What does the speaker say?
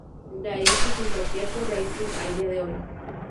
De ahí su simpatía por Racing al día de hoy.